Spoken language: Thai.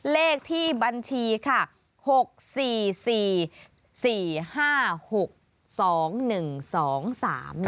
เลขที่บัญชีค่ะ๖๔๔๔๕๖สองหนึ่งสองสาม